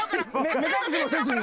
目隠しもせずに。